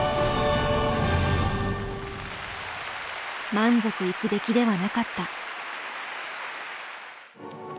満足いく出来ではなかった。